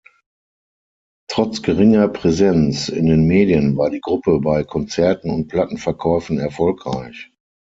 Trotz geringer Präsenz in den Medien war die Gruppe bei Konzerten und Plattenverkäufen erfolgreich.